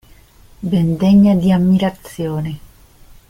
Ben degna di ammirazione.